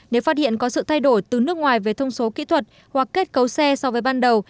nếu phát hiện có sự thay đổi từ nước ngoài về thông số kỹ thuật hoặc kết cấu xe so với ban đầu